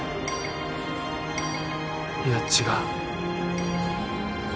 いや違う。